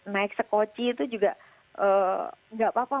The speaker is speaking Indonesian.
naik sekoci itu juga nggak apa apa